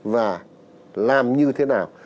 và làm như thế nào